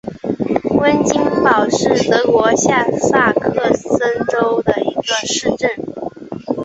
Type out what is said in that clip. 温岑堡是德国下萨克森州的一个市镇。